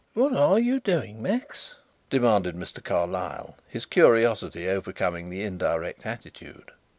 "What are you doing, Max?" demanded Mr. Carlyle, his curiosity overcoming the indirect attitude.